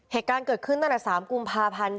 เหตุการณ์เกิดขึ้นตั้งแต่๓กุมภาพันธ์